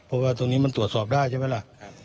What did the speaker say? เพราะว่าตรงนี้มันตรวจสอบได้ใช่ไหมล่ะ